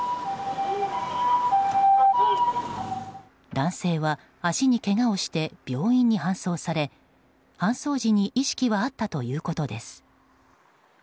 男性は、足にけがをして病院に搬送され搬送時に意識はあったということです。